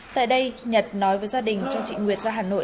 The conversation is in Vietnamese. tại đây nhật nói với gia đình cho chị nguyệt ra hà nội